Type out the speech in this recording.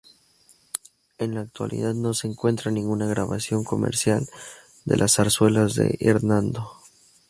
En la actualidad no se encuentra ninguna grabación comercial de las zarzuelas de Hernando.